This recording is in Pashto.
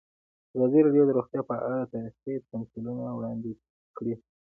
ازادي راډیو د روغتیا په اړه تاریخي تمثیلونه وړاندې کړي.